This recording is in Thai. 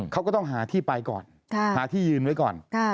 เขาก็ต้องหาที่ไปก่อนหาที่ยืนไว้ก่อน